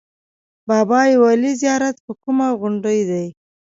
بابای ولي زیارت په کومه غونډۍ دی؟